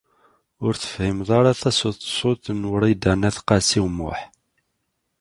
Ur tefhimed ara taseḍsut n Wrida n At Qasi Muḥ.